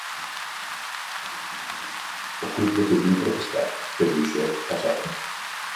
O club decidiu protestar, pero iso é pasado.